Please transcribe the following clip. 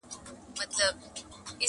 بس چي کله دي کابل کي یوه شپه سي.